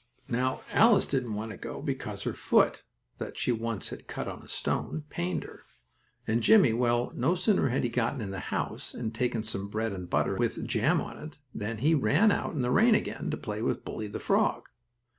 Now Alice didn't want to go because her foot, that she once had cut on a stone, pained her. And Jimmie, well, no sooner had he gotten in the house, and taken some bread and butter, with jam on it, than he had run out in the rain again, to play with Bully, the frog.